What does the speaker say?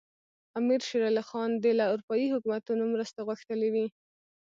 امیر شېر علي خان دې له اروپایي حکومتونو مرستې غوښتلي وي.